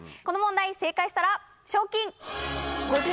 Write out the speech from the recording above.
この問題正解したら。